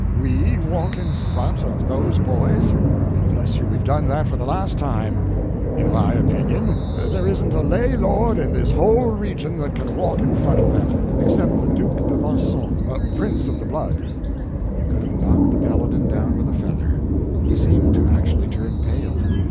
We walk in front of those boys? Bless you, we've done that for the last time. In my opinion there isn't a lay lord in this whole region that can walk in front of them, except the Duke d'Alencon, prince of the blood." You could have knocked the Paladin down with a feather. He seemed to actually turn pale.